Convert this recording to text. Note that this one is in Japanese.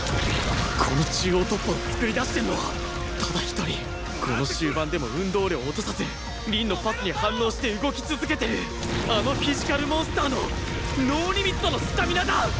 この中央突破を創り出してるのはただ一人この終盤でも運動量を落とさず凛のパスに反応して動き続けてるあのフィジカルモンスターのノー・リミットのスタミナだ！